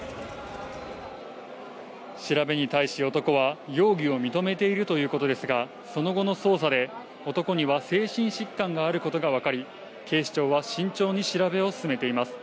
調べに対し男は、容疑を認めているということですが、その後の捜査で男には精神疾患があることが分かり、警視庁は慎重に調べを進めています。